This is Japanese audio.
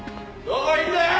どこいんだよ！